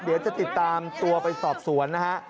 เดี๋ยวจะติดตามตัวไปสอบสวนนะฮะ